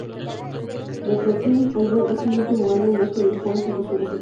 The Platinum Album es el último álbum de este grupo antes de su recesión.